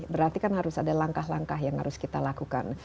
berarti kan harus ada langkah langkah yang harus kita lakukan